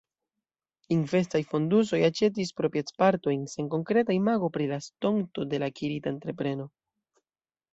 Investaj fondusoj aĉetis proprietpartojn sen konkreta imago pri la estonto de la akirita entrepreno.